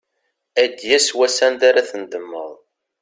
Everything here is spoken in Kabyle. Ad d-yas wass anda ara tendemmeḍ.